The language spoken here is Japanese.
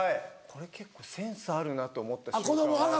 これ結構センスあるなと思った瞬間があって。